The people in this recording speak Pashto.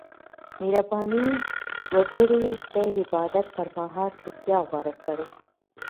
مهرباني وکړئ د عبادت پر مهال چوپتیا غوره کړئ.